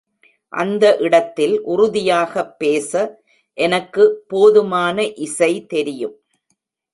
அந்த இடத்தில் உறுதியாகப் பேச எனக்கு போதுமான இசை தெரியும்.